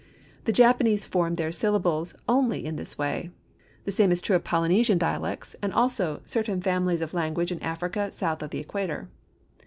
The Japanese form their syllables only in this way. The same is true of Polynesian dialects and also certain families of language in Africa south of the Equator.